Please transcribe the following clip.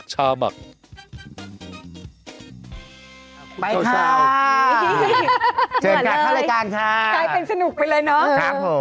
กลายเป็นสนุกไปเลยเนอะ